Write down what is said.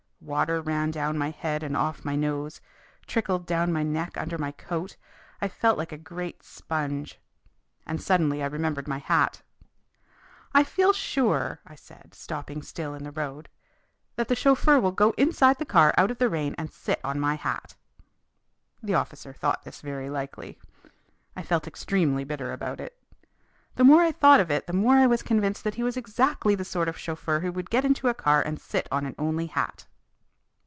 Water ran down my head and off my nose, trickled down my neck under my coat. I felt like a great sponge. And suddenly I remembered my hat. "I feel sure," I said, stopping still in the road, "that the chauffeur will go inside the car out of the rain and sit on my hat." The officer thought this very likely. I felt extremely bitter about it. The more I thought of it the more I was convinced that he was exactly the sort of chauffeur who would get into a car and sit on an only hat.